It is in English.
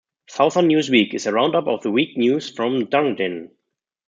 "Southern News Week" is a roundup of the weeks news from Dunedin.